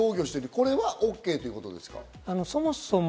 これはＯＫということですか？